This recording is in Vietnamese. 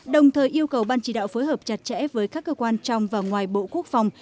đồng thời yêu cầu ban chỉ đạo phối hợp chặt chẽ với các cơ quan trong và ngoài bộ quốc phòng